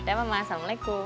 daa mama assalamualaikum